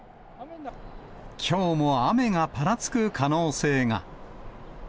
きょうも雨がぱらつく可能性が。